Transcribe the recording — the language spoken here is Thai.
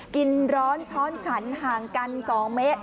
กินร้อนช้อนฉันห่างกัน๒เมตร